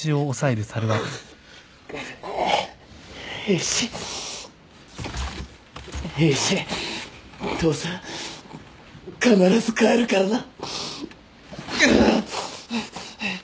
エイジ父さん必ず帰るからな。